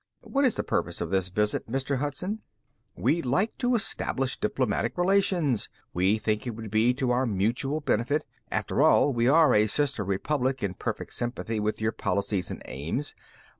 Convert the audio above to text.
"What is the purpose of this visit, Mr. Hudson?" "We'd like to establish diplomatic relations. We think it would be to our mutual benefit. After all, we are a sister republic in perfect sympathy with your policies and aims.